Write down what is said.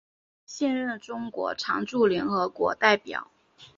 现任中国常驻联合国代表。